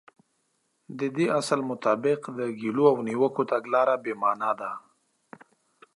د دې اصل مطابق د ګيلو او نيوکو تګلاره بې معنا ده.